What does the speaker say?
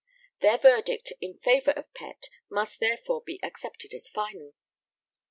Their verdict in favour of Pett must therefore be accepted as final.